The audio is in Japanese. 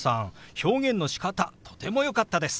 表現のしかたとてもよかったです！